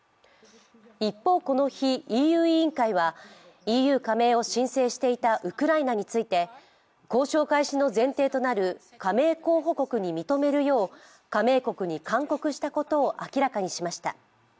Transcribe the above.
一方、この日、ＥＵ委員会はＥＵ加盟を申請していたウクライナについて交渉開始の前提となる加盟候補国に認めるよう加盟国に勧告したことを明らかにしました。